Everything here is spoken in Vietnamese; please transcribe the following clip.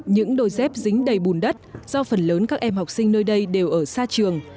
những đôi dép dính đầy bùn đất do phần lớn các em học sinh nơi đây đều ở xa trường